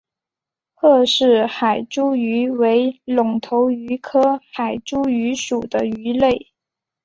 赫氏海猪鱼为隆头鱼科海猪鱼属的鱼类。